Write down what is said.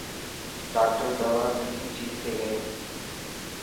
ڊاڪٽر دوا ڏني ٺيڪ ٿي گيو.